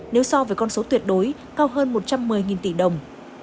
nếu so với con số tuyệt đối cao hơn một trăm một mươi tỷ đồng